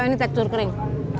ini tekstur kering